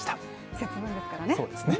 節分ですからね。